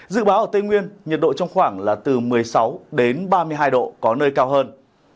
dự báo ở tây nguyên nhiệt độ trong khoảng là từ một mươi sáu đến ba mươi hai độ có nơi cao hơn